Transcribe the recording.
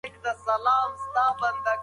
سپوږمۍ د ځمکې لپاره د یو ډال په څېر کار کوي.